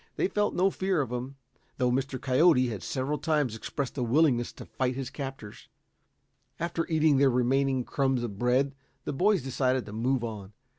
They felt no fear of him, though Mr. Coyote had several times expressed a willingness to fight his captors. After eating their remaining crumbs of bread, the boys decided to move on.